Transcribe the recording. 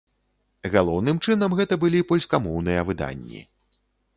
Галоўным чынам, гэта былі польскамоўныя выданні.